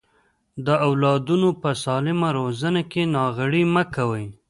د اولادونو په سالمه روزنه کې ناغيړي مکوئ.